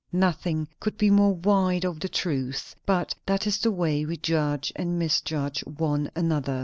Nothing could be more wide of the truth; but that is the way we judge and misjudge one another.